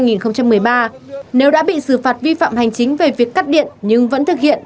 nếu đã bị xử phạt vi phạm hành chính về việc cắt điện nhưng vẫn thực hiện